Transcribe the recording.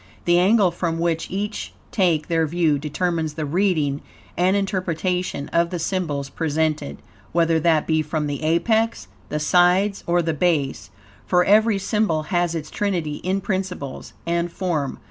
The angle from which each take their view determines the reading and interpretation of the symbols presented, whether that be from the apex, the sides or the base, for every symbol has its trinity in principles and form.